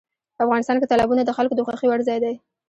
افغانستان کې تالابونه د خلکو د خوښې وړ ځای دی.